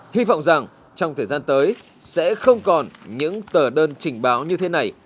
hy vọng rằng trong thời gian tới sẽ không còn những tờ đơn trình báo như thế này